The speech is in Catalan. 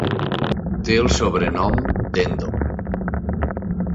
Té el sobrenom d'"Hendo".